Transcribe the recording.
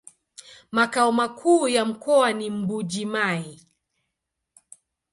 Makao makuu ya mkoa ni Mbuji-Mayi.